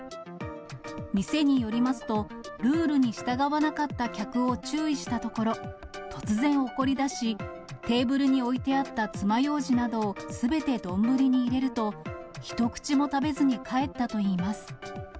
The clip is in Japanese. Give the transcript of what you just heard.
店によりますと、ルールに従わなかった客を注意したところ、突然怒りだし、テーブルに置いてあったつまようじなどをすべて丼に入れると、一口も食べずに帰ったといいます。